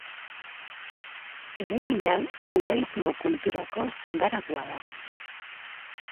Eraikin hau judaismo kulturako sagaratua da.